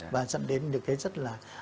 và dẫn đến những cái rất là